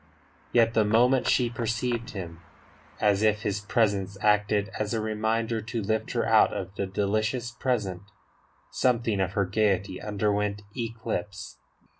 Yet the moment she perceived him, as if his presence acted as a reminder to lift her out of the delicious present, something of her gaiety underwent eclipse.